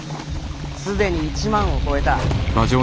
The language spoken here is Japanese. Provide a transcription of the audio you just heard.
既に１万を超えた。